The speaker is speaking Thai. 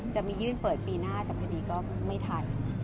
จะมียื่นเปิดปีหน้าแต่พอดีก็ไม่ทัน